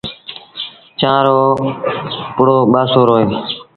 چآنه رو پڙو ٻآسورو اهي۔